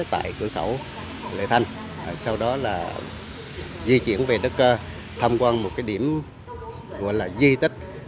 tại cửa khẩu lệ thanh sau đó là di chuyển về đức cơ tham quan một điểm gọi là di tích